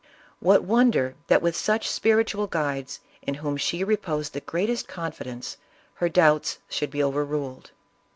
What wonder that with such spiritual guides, in whom she reposed the greatest confidence, her doubts should be overruled.